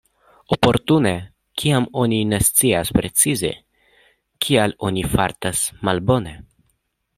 Oportune kiam oni ne scias precize kial oni fartas malbone.